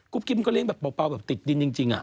กุ๊บกิ๊บมันก็เล่นแบบเปล่าแบบติดดินจริงอะ